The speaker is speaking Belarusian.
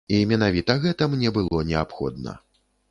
І менавіта гэта мне было неабходна.